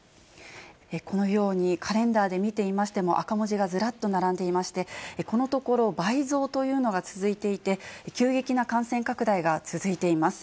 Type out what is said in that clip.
このようにカレンダーで見ていましても、赤文字がずらっと並んでいまして、このところ、倍増というのが続いていて、急激な感染拡大が続いています。